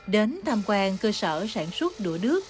đến tham quan cơ sở sản xuất đũa đứt